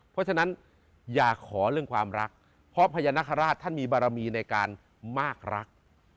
เพราะฉะนั้นอย่าขอเรื่องความรักเพราะพญานาคาราชท่านมีบารมีในการมากรัก